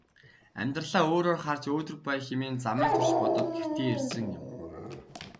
Амьдралаа өөрөөр харж өөдрөг байя хэмээн замын турш бодоод гэртээ ирсэн юм.